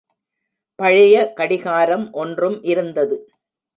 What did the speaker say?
பழைய கடிகாரம் ஒன்றும் இருந்தது.